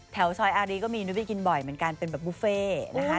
แถวซอยอารีก็มีนุไปกินบ่อยเหมือนกันเป็นแบบบุฟเฟ่นะคะ